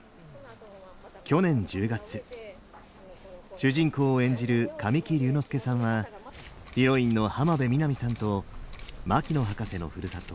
主人公を演じる神木隆之介さんはヒロインの浜辺美波さんと牧野博士のふるさと